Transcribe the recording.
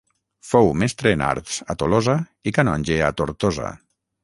Fou mestre en arts a Tolosa i canonge a Tortosa.